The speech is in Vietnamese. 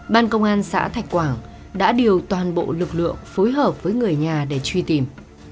ban công an xã thạch quảng đã điều toàn bộ lực lượng phối hợp với người nhà để truy tìm